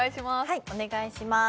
はいお願いします